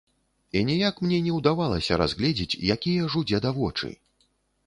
І ніяк мне не ўдавалася разгледзець, якія ж у дзеда вочы.